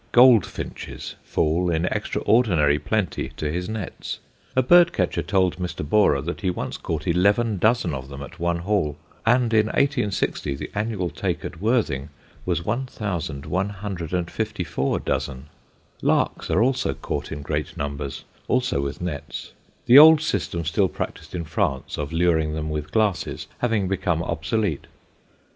Goldfinches fall in extraordinary plenty to his nets. A bird catcher told Mr. Borrer that he once caught eleven dozen of them at one haul, and in 1860 the annual take at Worthing was 1,154 dozen. Larks are also caught in great numbers, also with nets, the old system still practised in France, of luring them with glasses, having become obsolete.